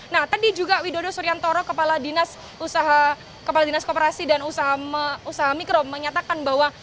nah tadi juga widodo suryantoro kepala dinas koperasi dan usaha mikro menyatakan bahwa